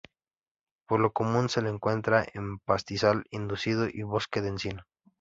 Por lo común se le encuentra en pastizal inducido y bosque de encino.